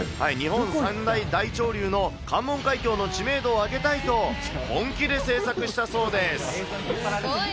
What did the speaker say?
日本三大潮流の関門海峡の知名度を上げたいと、本気で制作したそうです。